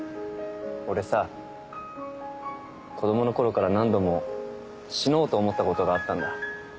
俺さ子どもの頃から何度も死のうと思ったことがあったんだ。